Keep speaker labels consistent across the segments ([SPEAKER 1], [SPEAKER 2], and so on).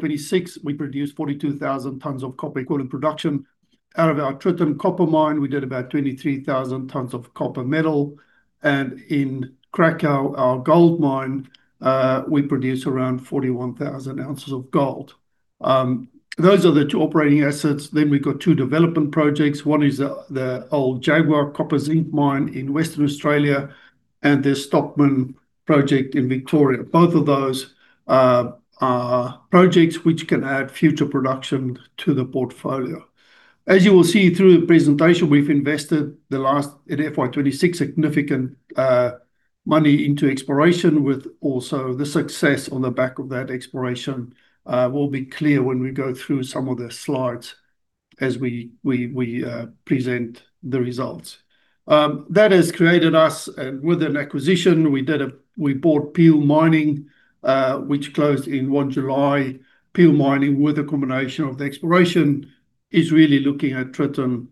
[SPEAKER 1] In 2026, we produced 42,000 tons of copper equivalent production. Out of our Tritton copper mine, we did about 23,000 tons of copper metal, and in Cracow, our gold mine, we produced around 41,000 ounces of gold. Those are the two operating assets. We've got two development projects. One is the old Jaguar copper zinc mine in Western Australia and the Stockman project in Victoria. Both of those are projects which can add future production to the portfolio. As you will see through the presentation, we've invested in FY 2026, significant money into exploration with also the success on the back of that exploration will be clear when we go through some of the slides as we present the results. That has created us, and with an acquisition, we bought Peel Mining, which closed in 1 July. Peel Mining, with a combination of the exploration, is really looking at Tritton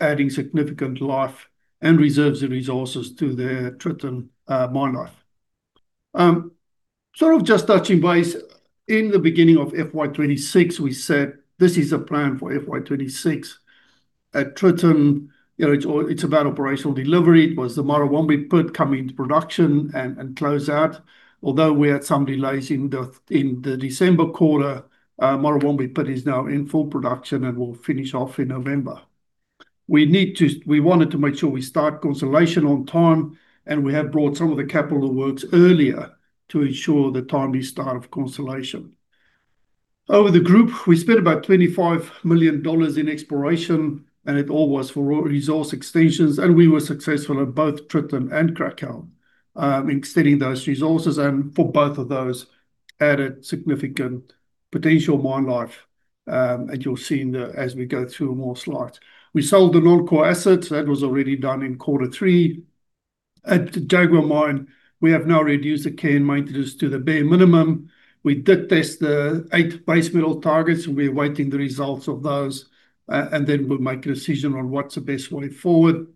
[SPEAKER 1] adding significant life and reserves and resources to their Tritton mine life. Sort of just touching base. In the beginning of FY 2026, we said this is a plan for FY 2026. At Tritton, it's about operational delivery. It was the Murrawombie Pit coming into production and close out. Although we had some delays in the December quarter, Murrawombie Pit is now in full production and will finish off in November. We wanted to make sure we start Constellation on time, and we have brought some of the capital works earlier to ensure the timely start of Constellation. Over the group, we spent about 25 million dollars in exploration, and it all was for resource extensions, and we were successful at both Tritton and Cracow extending those resources, and for both of those added significant potential mine life, as you'll see as we go through more slides. We sold the non-core assets. That was already done in quarter three. At the Jaguar mine, we have now reduced the care and maintenance to the bare minimum. We did test the eight base metal targets, and we're awaiting the results of those, and then we'll make a decision on what's the best way forward.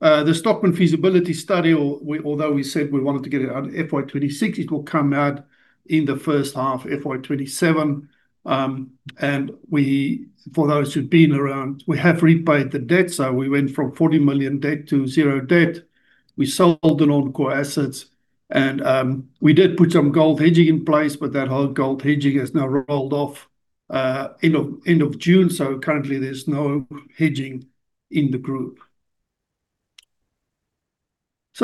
[SPEAKER 1] The Stockman feasibility study, although we said we wanted to get it out in FY 2026, it will come out in the first half FY 2027. For those who've been around, we have repaid the debt, so we went from 40 million debt to zero debt. We sold the non-core assets, and we did put some gold hedging in place, but that whole gold hedging has now rolled off end of June, so currently there's no hedging in the group.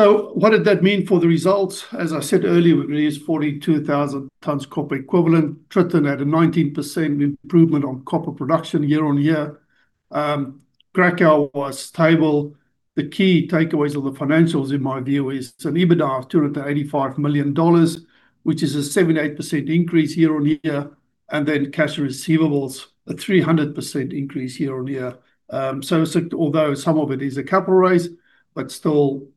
[SPEAKER 1] What did that mean for the results? As I said earlier, we produced 42,000 tons copper equivalent. Tritton had a 19% improvement on copper production year-on-year. Cracow was stable. The key takeaways of the financials, in my view, is an EBITDA of 285 million dollars, which is a 78% increase year-on-year, and then cash receivables, a 300% increase year-on-year. Although some of it is a capital raise, but still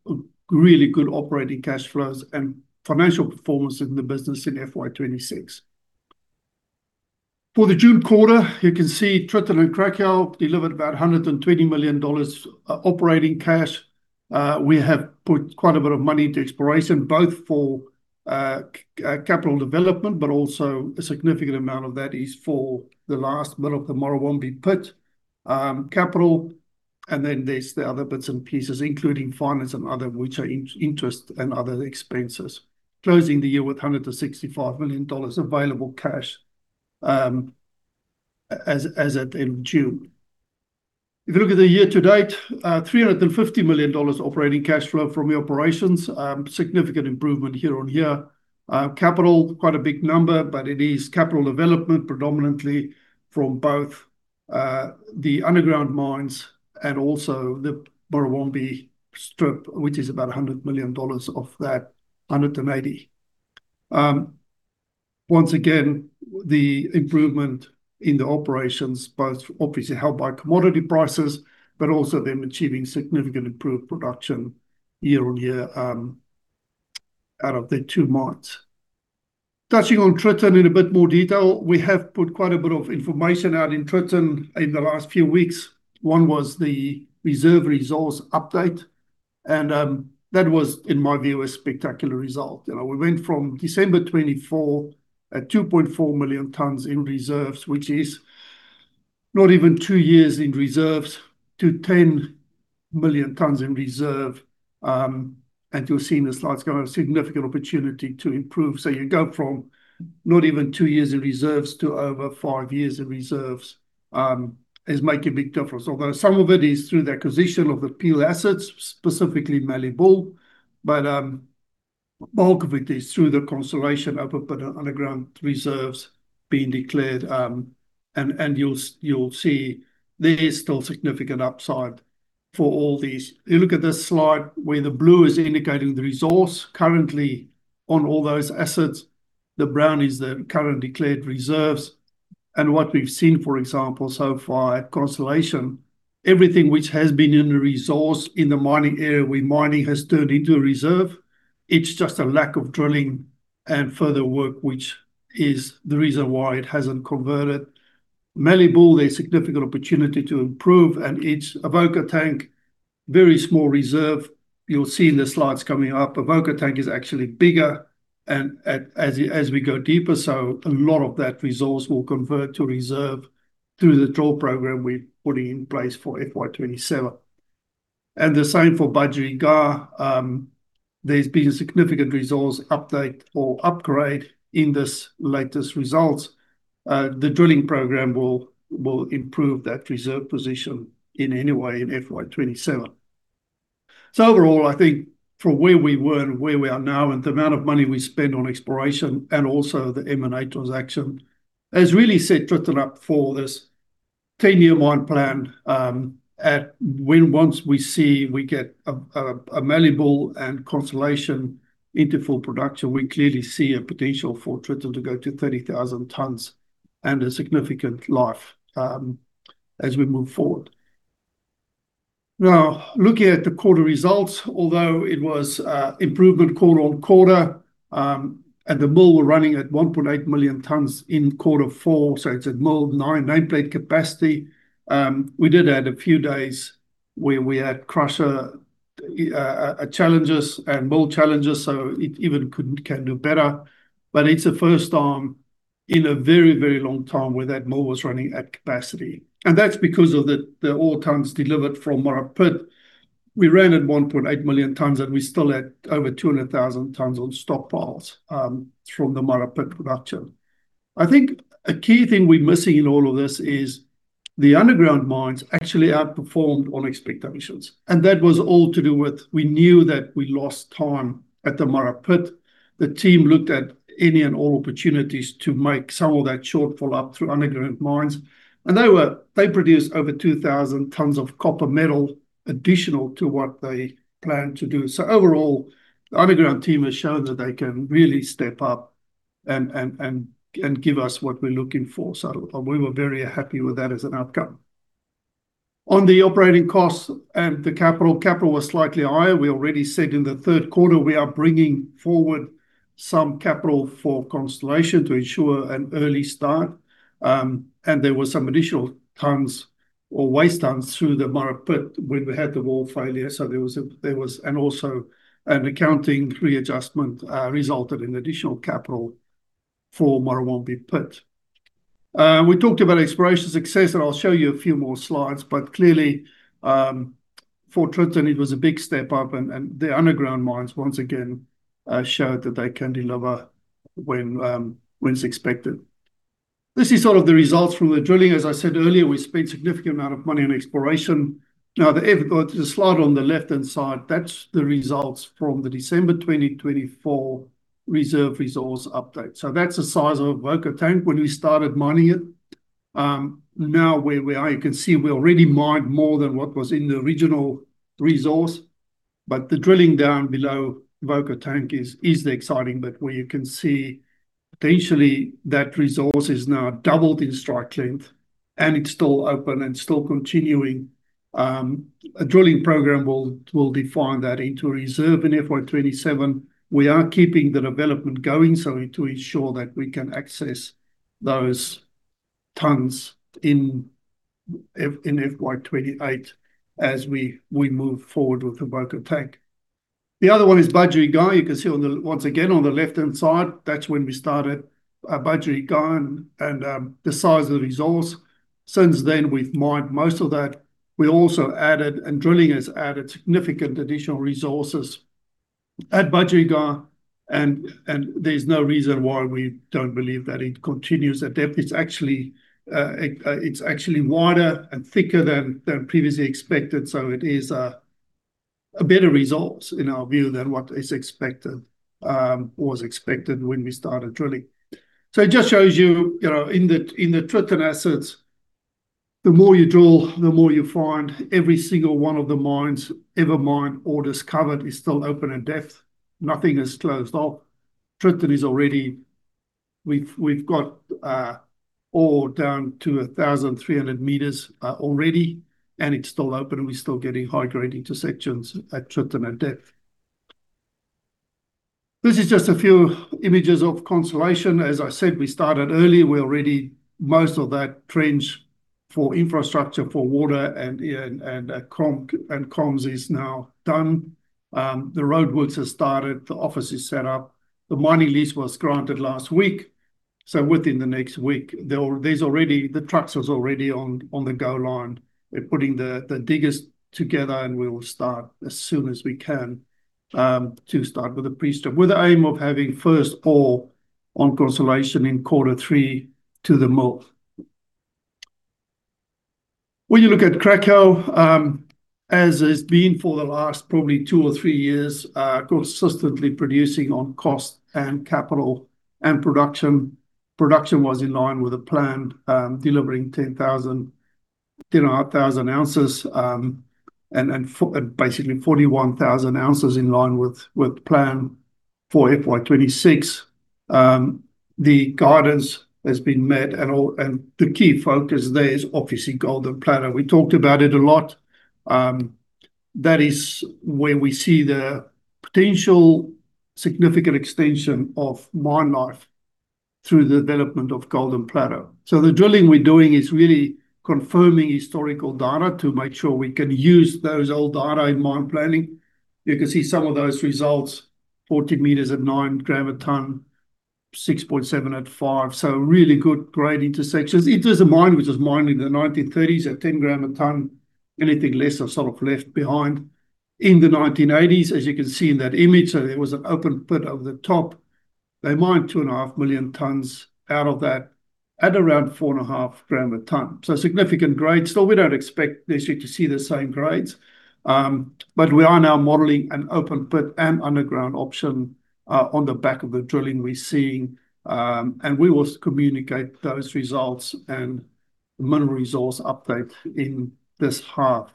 [SPEAKER 1] really good operating cash flows and financial performance in the business in FY 2026. For the June quarter, you can see Tritton and Cracow delivered about 120 million dollars operating cash. We have put quite a bit of money into exploration, both for capital development, but also a significant amount of that is for the last bit of the Murrawombie Pit capital. There's the other bits and pieces, including finance and other, which are interest and other expenses. Closing the year with 165 million dollars available cash as at end June. If you look at the year-to-date, 350 million dollars operating cash flow from the operations. Significant improvement year-on-year. Capital, quite a big number, but it is capital development predominantly from both the underground mines and also the Murrawombie strip, which is about 100 million dollars of that 180 million. Once again, the improvement in the operations both obviously helped by commodity prices, but also them achieving significant improved production year-on-year out of the two mines. Touching on Tritton in a bit more detail. We have put quite a bit of information out in Tritton in the last few weeks. One was the reserve resource update, and that was, in my view, a spectacular result. We went from December 2024 at 2.4 million tons in reserves, which is not even two years in reserves, to 10 million tons in reserve. You'll see in the slides, got a significant opportunity to improve. So you go from not even two years of reserves to over five years of reserves is making a big difference. Although some of it is through the acquisition of the Peel assets, specifically Mallee Bull, but bulk of it is through the consolidation of underground reserves being declared. You'll see there is still significant upside for all these. You look at this slide where the blue is indicating the resource currently on all those assets. The brown is the current declared reserves. What we've seen, for example, so far at Constellation, everything which has been in the resource in the mining area where mining has turned into a reserve, it's just a lack of drilling and further work, which is the reason why it hasn't converted. Mallee Bull, there's significant opportunity to improve, and it's Avoca Tank. Very small reserve. You'll see in the slides coming up, Avoca Tank is actually bigger as we go deeper. So a lot of that resource will convert to reserve through the draw program we're putting in place for FY 2027. The same for Budgerygar. There's been a significant resource update or upgrade in this latest results. The drilling program will improve that reserve position in any way in FY 2027. Overall, I think for where we were and where we are now, and the amount of money we spend on exploration, and also the M&A transaction, has really set Tritton up for this 10-year mine plan. Once we see we get Mallee Bull and Constellation into full production, we clearly see a potential for Tritton to go to 30,000 tons and a significant life as we move forward. Looking at the quarter results, it was improvement quarter-on-quarter, and the mill were running at 1.8 million tons in quarter four, so it's at mill nameplate capacity. We did add a few days where we had crusher challenges and mill challenges, so it even can do better. It's the first time in a very long time where that mill was running at capacity, and that's because of the ore tons delivered from Murrawombie Pit. We ran at 1.8 million tons, we still had over 200,000 tons of stockpiles from the Murrawombie Pit production. I think a key thing we're missing in all of this is the underground mines actually outperformed on expectations, and that was all to do with, we knew that we lost time at the Murrawombie Pit. The team looked at any and all opportunities to make some of that shortfall up through underground mines. They produced over 2,000 tons of copper metal additional to what they planned to do. Overall, the underground team has shown that they can really step up and give us what we're looking for. We were very happy with that as an outcome. On the operating costs and the capital. Capital was slightly higher. We already said in the third quarter, we are bringing forward some capital for Constellation to ensure an early start. There were some additional tons or waste tons through the Murrawombie Pit when we had the wall failure. Also an accounting readjustment resulted in additional capital for Murrawombie Pit. We talked about exploration success, and I'll show you a few more slides. Clearly, for Tritton, it was a big step up, and the underground mines once again showed that they can deliver when it's expected. This is all of the results from the drilling. As I said earlier, we spent significant amount of money on exploration. The slide on the left-hand side, that's the results from the December 2024 reserve resource update. That's the size of Avoca Tank when we started mining it. Where we are, you can see we already mined more than what was in the original resource, the drilling down below Avoca Tank is the exciting bit where you can see potentially that resource is now doubled in strike length, and it's still open and still continuing. A drilling program will define that into a reserve in FY 2027. We are keeping the development going to ensure that we can access those tons in FY 2028 as we move forward with the Avoca Tank. The other one is Budgerygar. You can see once again on the left-hand side, that's when we started Budgerygar and the size of the resource. Since then, we've mined most of that. We also added, and drilling has added significant additional resources at Budgerygar, and there's no reason why we don't believe that it continues at depth. It's actually wider and thicker than previously expected. It is a better resource in our view than what was expected when we started drilling. It just shows you in the Tritton assets, the more you drill, the more you find. Every single one of the mines ever mined or discovered is still open at depth. Nothing is closed off. Tritton is all ready. We've got ore down to 1,300 meters already, and it's still open, and we're still getting high-grade intersections at Tritton at depth. This is just a few images of Constellation. As I said, we started early. We already most of that trench for infrastructure, for water, and comms is now done. The roadworks have started. The office is set up. The mining lease was granted last week. Within the next week, the trucks was already on the go line. We're putting the diggers together, and we will start as soon as we can to start with the pre-strip, with the aim of having first ore on Constellation in quarter three to the mill. When you look at Cracow, as it's been for the last probably two or three years, consistently producing on cost and capital, and production was in line with the plan, delivering 10,500 ounces, and basically 41,000 ounces in line with plan for FY 2026. The guidance has been met and all. The key focus there is obviously Golden Plateau. We talked about it a lot. That is where we see the potential significant extension of mine life. Through the development of Golden Plateau. The drilling we're doing is really confirming historical data to make sure we can use those old data in mine planning. You can see some of those results, 40 meters at 9 gram a ton, 6.7 at 5. Really good grade intersections. It is a mine which was mined in the 1930s at 10 gram a ton. Anything less was sort of left behind. In the 1980s, as you can see in that image, there was an open pit over the top. They mined 2.5 million tons out of that at around 4.5 gram a ton. Significant grades. We don't expect necessarily to see the same grades. We are now modeling an open pit and underground option on the back of the drilling we're seeing. We will communicate those results and Mineral Resource update in this half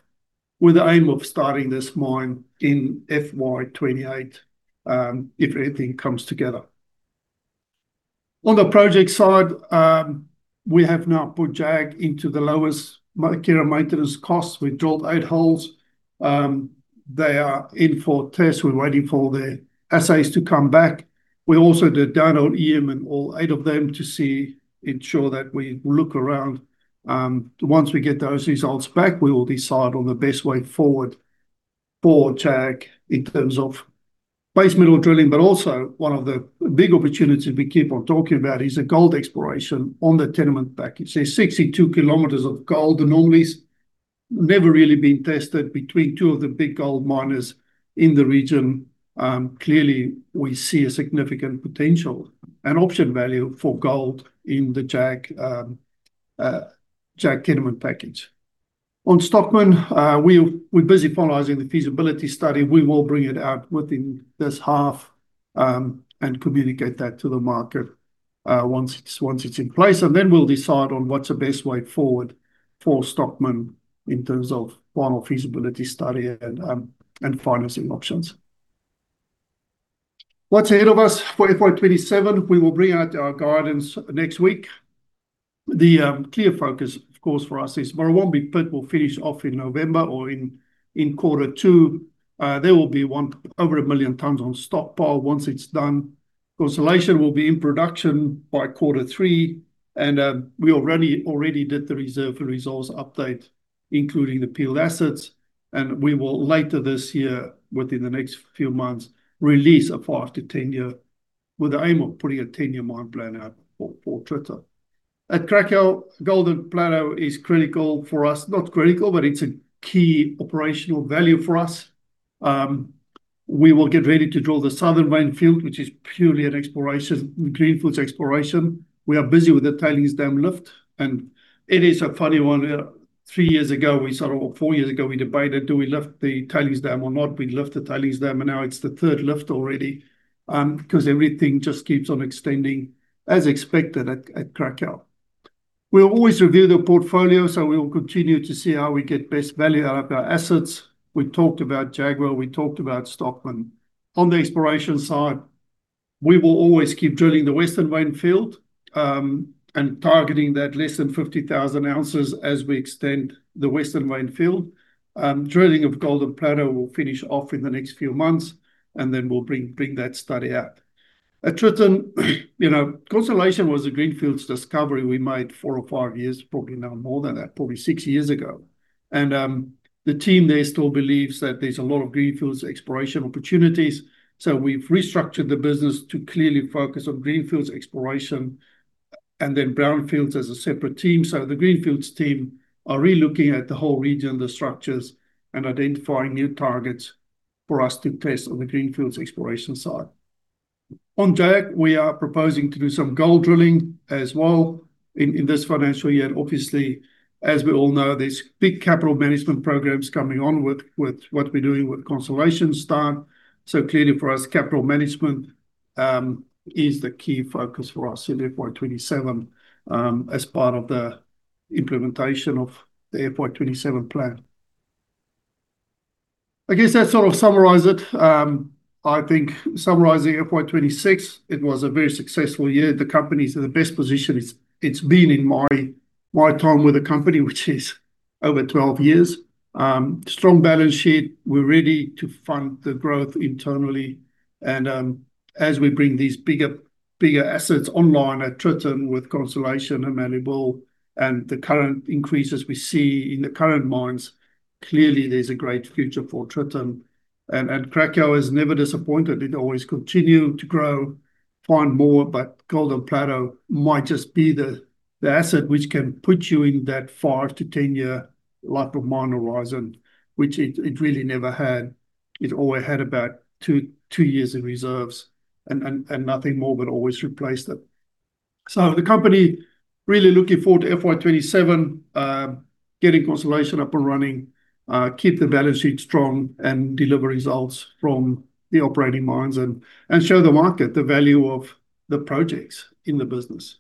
[SPEAKER 1] with the aim of starting this mine in FY 2028, if everything comes together. On the project side, we have now put Jag into the lowest care and maintenance costs. We drilled eight holes. They are in for tests. We're waiting for the assays to come back. We also did downhole EM in all eight of them to ensure that we look around. Once we get those results back, we will decide on the best way forward for Jag in terms of base metal drilling. Also one of the big opportunities we keep on talking about is the gold exploration on the tenement package. There's 62 kilometers of gold anomalies. Never really been tested between two of the big gold miners in the region. We see a significant potential and option value for gold in the Jag tenement package. On Stockman, we're busy finalizing the feasibility study. We will bring it out within this half, and communicate that to the market once it's in place. Then we'll decide on what's the best way forward for Stockman in terms of final feasibility study and financing options. What's ahead of us for FY 2027? We will bring out our guidance next week. The clear focus, of course, for us is Murrawombie Pit will finish off in November or in quarter two. There will be over a million tons on stockpile once it's done. Constellation will be in production by quarter three. We already did the Reserve and Resource update, including the Peel assets, and we will later this year, within the next few months, release a five to 10 year with the aim of putting a 10-year mine plan out for Tritton. At Cracow, Golden Plateau is critical for us. Not critical, but it's a key operational value for us. We will get ready to drill the southern vein field, which is purely an exploration, greenfields exploration. It is a funny one. three years ago or four years ago, we debated do we lift the tailings dam or not? We lift the tailings dam. Now it's the third lift already, because everything just keeps on extending as expected at Cracow. We'll always review the portfolio. We will continue to see how we get best value out of our assets. We talked about Jaguar, we talked about Stockman. On the exploration side, we will always keep drilling the western vein field, targeting that less than 50,000 ounces as we extend the western vein field. Drilling of Golden Plateau will finish off in the next few months. Then we'll bring that study out. At Tritton, Constellation was a greenfields discovery we made four or five years, probably now more than that, probably six years ago. The team there still believes that there's a lot of greenfields exploration opportunities. We've restructured the business to clearly focus on greenfields exploration and then brownfields as a separate team. The greenfields team are re-looking at the whole region, the structures, and identifying new targets for us to test on the greenfields exploration side. On Jag, we are proposing to do some gold drilling as well in this financial year. As we all know, there's big capital management programs coming on with what we're doing with Constellation start. Clearly for us, capital management is the key focus for us in FY 2027 as part of the implementation of the FY 2027 plan. I guess that sort of summarize it. I think summarizing FY 2026, it was a very successful year. The company's in the best position it's been in my time with the company, which is over 12 years. Strong balance sheet. We're ready to fund the growth internally. As we bring these bigger assets online at Tritton with Constellation and Mallee Bull and the current increases we see in the current mines, clearly there's a great future for Tritton. Cracow has never disappointed. It always continue to grow, find more. Golden Plateau might just be the asset which can put you in that 5 to 10-year life of mine horizon, which it really never had. It always had about two years in reserves and nothing more, but always replaced it. The company really looking forward to FY 2027, getting Constellation up and running, keep the balance sheet strong and deliver results from the operating mines and show the market the value of the projects in the business.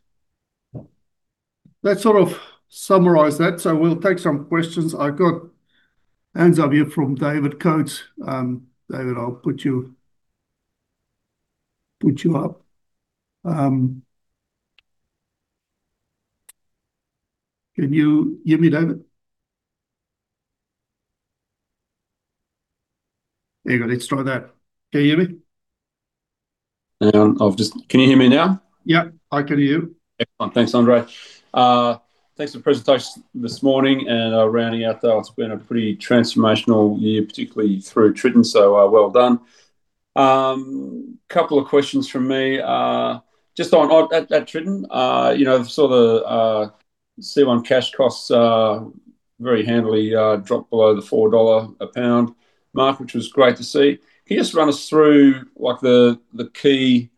[SPEAKER 1] That sort of summarize that. We'll take some questions. I've got hands up here from David Coates. David, I'll put you up. Can you hear me, David? There you go. Let's try that. Can you hear me?
[SPEAKER 2] Can you hear me now?
[SPEAKER 1] Yeah, I can hear you.
[SPEAKER 2] Excellent. Thanks, André. Thanks for the presentation this morning and rounding out that it's been a pretty transformational year, particularly through Tritton. Well done. Couple of questions from me. Just on at Tritton, C1 cash costs very handily dropped below the 4 dollar a pound mark, which was great to see. Can you just run us through what the key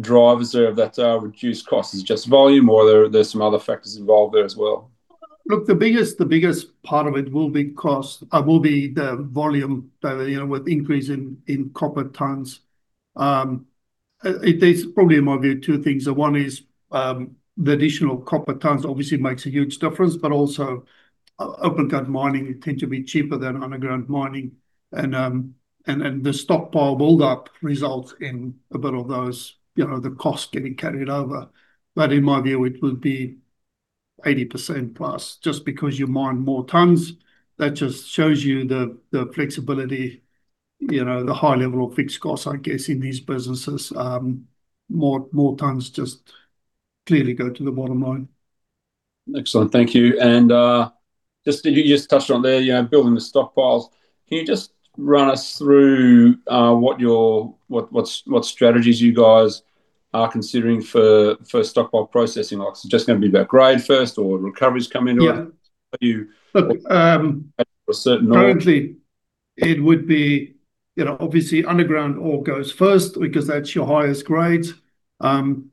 [SPEAKER 2] drivers are of that reduced cost? Is it just volume, or are there some other factors involved there as well?
[SPEAKER 1] The biggest part of it will be the volume, with increase in copper tons. There's probably, in my view, two things. One is the additional copper tons obviously makes a huge difference, but also, open-cut mining tend to be cheaper than underground mining. The stockpile build-up results in a bit of those, the cost getting carried over. In my view, it would be 80% plus just because you mine more tons. That just shows you the flexibility, the high level of fixed costs, I guess, in these businesses. More tons just clearly go to the bottom line.
[SPEAKER 2] Excellent. Thank you. You just touched on there, building the stockpiles. Can you just run us through what strategies you guys are considering for stockpile processing? Is it just going to be about grade first, or will coverage come into it?
[SPEAKER 1] Yeah.
[SPEAKER 2] Are you-
[SPEAKER 1] Look-
[SPEAKER 2] At a certain level.
[SPEAKER 1] Currently it would be, obviously, underground ore goes first because that's your highest grade. Then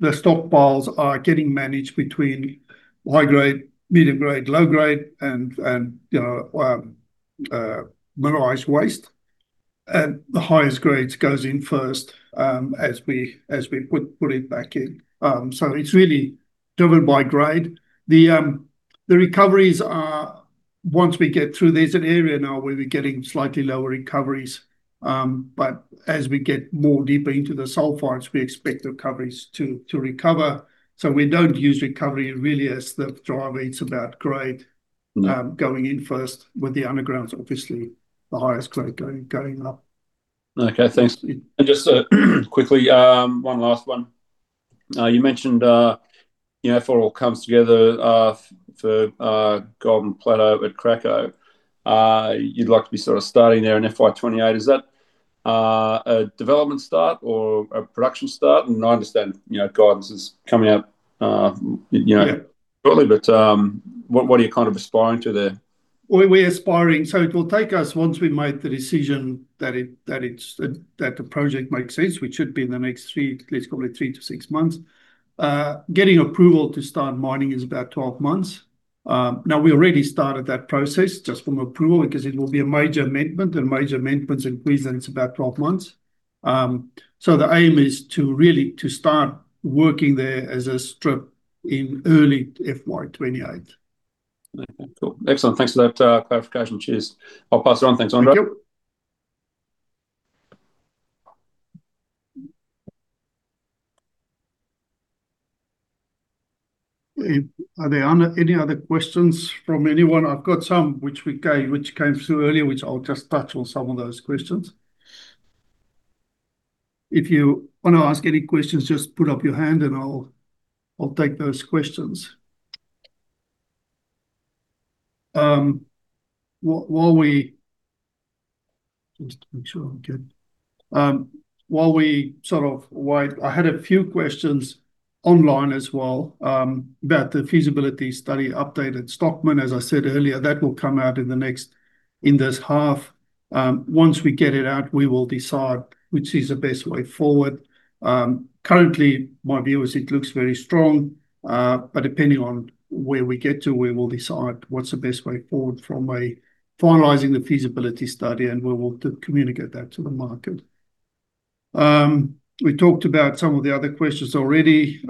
[SPEAKER 1] the stockpiles are getting managed between high grade, medium grade, low grade, and mineralized waste. The highest grades goes in first as we put it back in. It's really driven by grade. The recoveries are, once we get through, there's an area now where we're getting slightly lower recoveries. As we get more deeper into the sulfides, we expect recoveries to recover. We don't use recovery really as the driver. It's about grade. Going in first with the undergrounds, obviously the highest grade going up.
[SPEAKER 2] Okay. Thanks. Just quickly, one last one. You mentioned, if it all comes together for Golden Plateau at Cracow, you'd like to be sort of starting there in FY 2028. Is that a development start or a production start? I understand guidance is coming out-
[SPEAKER 1] Yeah.
[SPEAKER 2] shortly, what are you kind of aspiring to there?
[SPEAKER 1] We're aspiring, so it will take us, once we make the decision that the project makes sense, which should be in the next three to six months. Getting approval to start mining is about 12 months. Now, we already started that process just from approval, because it will be a major amendment, and major amendments in Queensland, it's about 12 months. The aim is to really start working there as a strip in early FY 2028.
[SPEAKER 2] Okay, cool. Excellent. Thanks for that clarification. Cheers. I'll pass it on. Thanks, André.
[SPEAKER 1] Thank you. Are there any other questions from anyone? I've got some which came through earlier, which I'll just touch on some of those questions. If you want to ask any questions, just put up your hand and I'll take those questions. Just to make sure I'm good. I had a few questions online as well about the feasibility study updated Stockman. As I said earlier, that will come out in this half. Once we get it out, we will decide which is the best way forward. Currently, my view is it looks very strong. Depending on where we get to, we will decide what's the best way forward from a finalizing the feasibility study, and we will communicate that to the market. We talked about some of the other questions already.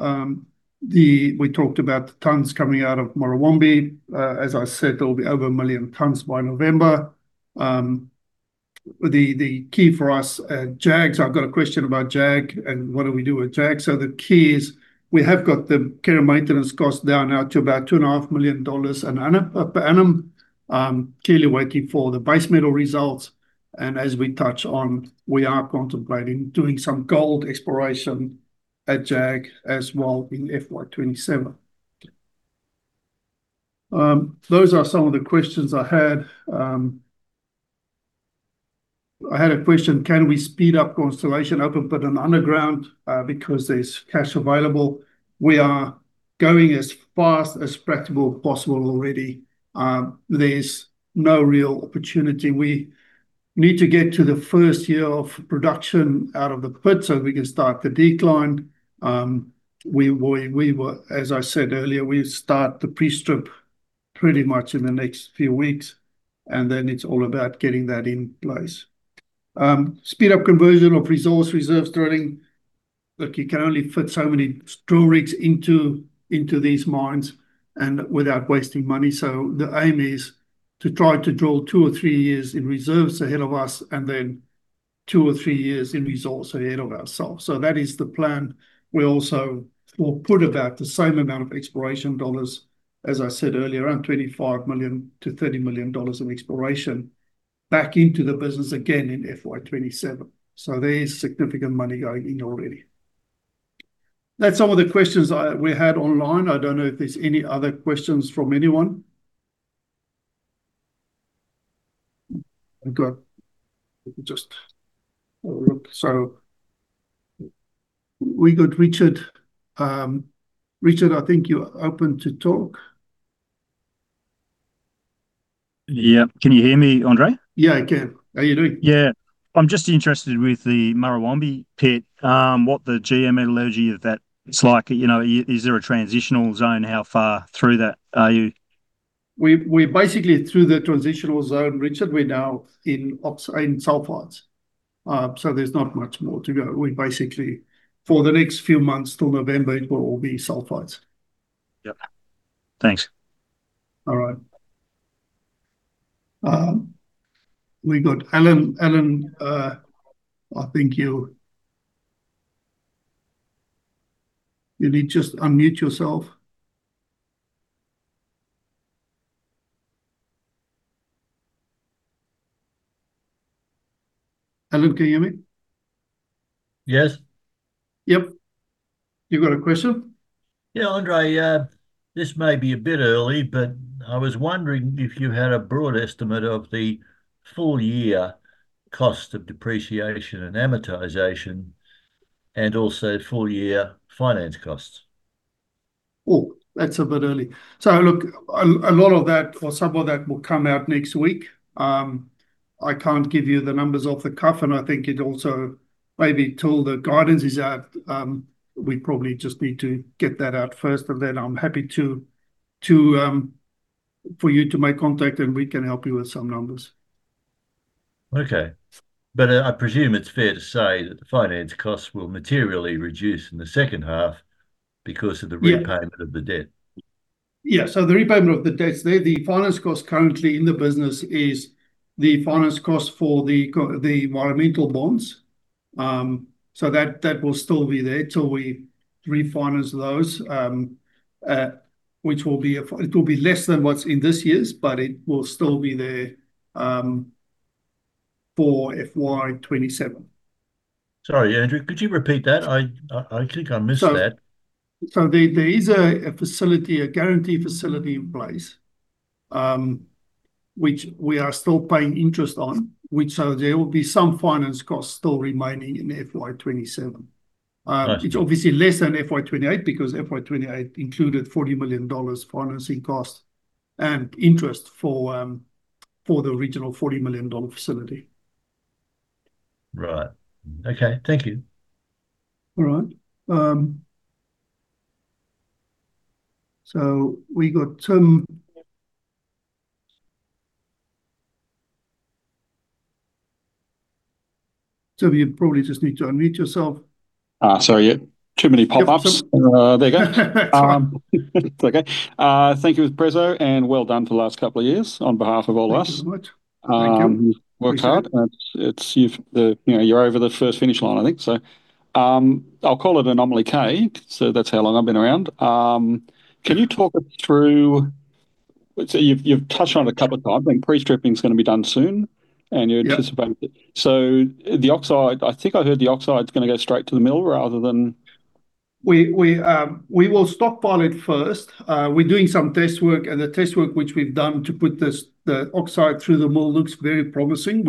[SPEAKER 1] We talked about the tons coming out of Murrawombie. As I said, there'll be over 1 million tons by November. The key for us, Jag, I've got a question about Jag and what do we do with Jag. The key is we have got the care and maintenance cost down now to about 2.5 million dollars per annum. Clearly waiting for the base metal results and as we touch on, we are contemplating doing some gold exploration at Jag as well in FY 2027. Those are some of the questions I had. I had a question, can we speed up Constellation open pit and underground because there's cash available? We are going as fast as practical possible already. There's no real opportunity. We need to get to the first year of production out of the pit so we can start the decline. As I said earlier, we start the pre-strip pretty much in the next few weeks, and then it's all about getting that in place. Speed up conversion of resource reserves drilling. Look, you can only fit so many drill rigs into these mines and without wasting money. The aim is to try to drill two or three years in results ahead of ourselves. That is the plan. We also will put about the same amount of exploration dollars, as I said earlier, around 25 million to 30 million dollars of exploration back into the business again in FY 2027. There is significant money going in already. That's some of the questions we had online. I don't know if there's any other questions from anyone. I've got, let me just have a look. We got Richard. Richard, I think you're open to talk.
[SPEAKER 3] Yeah. Can you hear me, André?
[SPEAKER 1] Yeah, I can. How you doing?
[SPEAKER 3] Yeah. I'm just interested with the Murrawombie Pit, what the GM metallurgy of that is like. Is there a transitional zone? How far through that are you?
[SPEAKER 1] We're basically through the transitional zone, Richard. We're now in oxide and sulfides. There's not much more to go. We're basically, for the next few months till November, it will all be sulfides.
[SPEAKER 3] Yep. Thanks.
[SPEAKER 1] All right. We got Alan. Alan, I think you need just unmute yourself. Alan, can you hear me?
[SPEAKER 4] Yes.
[SPEAKER 1] Yep. You got a question?
[SPEAKER 4] Yeah, André, this may be a bit early, but I was wondering if you had a broad estimate of the full year cost of depreciation and amortization and also full year finance costs.
[SPEAKER 1] Oh, that's a bit early. Look, a lot of that or some of that will come out next week. I can't give you the numbers off the cuff, and I think it also maybe till the guidance is out, we probably just need to get that out first, and then I'm happy for you to make contact and we can help you with some numbers.
[SPEAKER 4] Okay. I presume it's fair to say that the finance costs will materially reduce in the second half because of the-
[SPEAKER 1] Yeah.
[SPEAKER 4] repayment of the debt.
[SPEAKER 1] Yeah, the repayment of the debts there, the finance cost currently in the business is the finance cost for the environmental bonds. That will still be there till we refinance those, it will be less than what's in this year's, but it will still be there for FY 2027.
[SPEAKER 4] Sorry, André, could you repeat that? I think I missed that.
[SPEAKER 1] There is a facility, a guarantee facility in place, which we are still paying interest on. There will be some finance costs still remaining in FY 2027.
[SPEAKER 4] Right.
[SPEAKER 1] Which obviously less than FY 2028 because FY 2028 included 40 million dollars financing costs and interest for the original 40 million dollar facility.
[SPEAKER 4] Right. Okay. Thank you.
[SPEAKER 1] All right. We got Tim. Tim, you probably just need to unmute yourself.
[SPEAKER 5] Sorry. Yeah. Too many pop-ups.
[SPEAKER 1] Yeah.
[SPEAKER 5] There we go.
[SPEAKER 1] That's all right.
[SPEAKER 5] It's okay. Thank you, presser, and well done for the last couple of years on behalf of all of us.
[SPEAKER 1] Thank you very much. Thank you. Appreciate it.
[SPEAKER 5] You've worked hard. You're over the first finish line, I think. I'll call it Anomaly K. That's how long I've been around. You've touched on it a couple of times. I think pre-stripping's gonna be done soon, and you're anticipating.
[SPEAKER 1] Yep.
[SPEAKER 5] The oxide, I think I heard the oxide is going to go straight to the mill rather than.
[SPEAKER 1] We will stockpile it first. We are doing some test work, the test work which we have done to put the oxide through the mill looks very promising.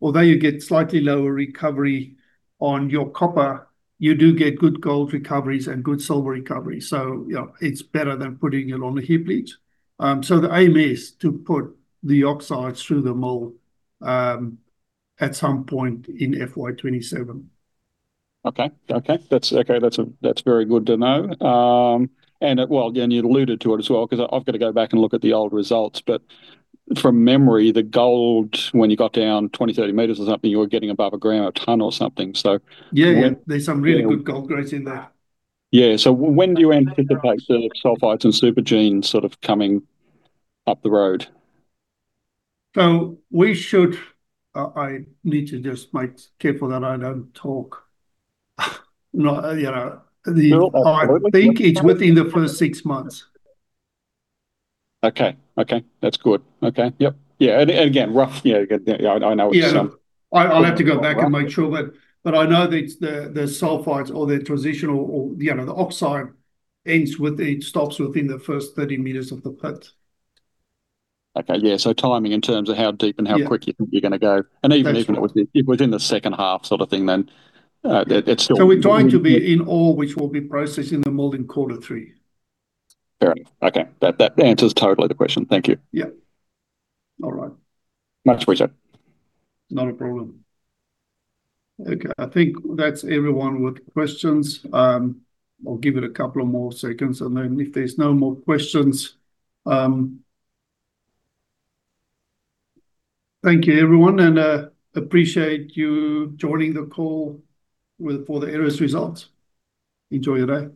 [SPEAKER 1] Although you get slightly lower recovery on your copper, you do get good gold recoveries and good silver recovery. It is better than putting it on the heap leach. The aim is to put the oxides through the mill, at some point in FY 2027.
[SPEAKER 5] Okay. That is very good to know. Well, again, you alluded to it as well because I have got to go back and look at the old results. From memory, the gold, when you got down 20, 30 meters or something, you were getting above a gram a ton or something.
[SPEAKER 1] Yeah. There is some really good gold grades in there.
[SPEAKER 5] When do you anticipate some of the sulfides and supergene sort of coming up the road?
[SPEAKER 1] I need to just make careful that I don't talk. I think it's within the first six months.
[SPEAKER 5] Okay. That's good. Okay. Yep. Yeah. Again, rough.
[SPEAKER 1] Yeah. No.
[SPEAKER 5] Rough.
[SPEAKER 1] I'll have to go back and make sure, but I know the sulfides or the transitional or the oxide ends with it stops within the first 30 meters of the pit.
[SPEAKER 5] Okay. Yeah. Timing in terms of how deep and how quick.
[SPEAKER 1] Yeah.
[SPEAKER 5] You think you're gonna go. even.
[SPEAKER 1] Okay.
[SPEAKER 5] if it was within the second half sort of thing, then it's still within.
[SPEAKER 1] We're trying to be in ore, which we'll be processing the mill in quarter three.
[SPEAKER 5] Fair enough. Okay. That answers totally the question. Thank you.
[SPEAKER 1] Yep. All right.
[SPEAKER 5] Much appreciate it.
[SPEAKER 1] Not a problem. Okay. I think that's everyone with questions. I'll give it a couple of more seconds, and then if there's no more questions. Thank you, everyone, and appreciate you joining the call for the Aeris results. Enjoy your day.